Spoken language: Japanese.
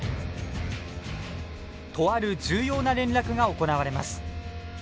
とある重要な連絡が行われます。